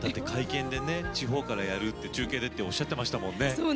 会見で、地方からやるって中継でっておっしゃってましたもんね。